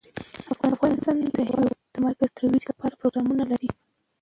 افغانستان د هېواد د مرکز ترویج لپاره پروګرامونه لري.